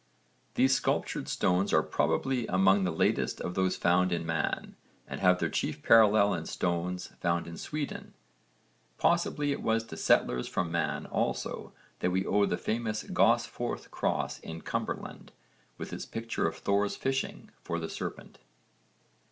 These sculptured stones are probably among the latest of those found in Man and have their chief parallel in stones found in Sweden (v. supra, p. 111). Possibly it was to settlers from Man also that we owe the famous Gosforth cross in Cumberland with its picture of Thor's fishing for the serpent.